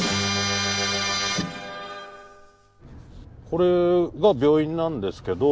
これが病院なんですけど。